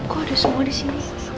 kok ada semua disini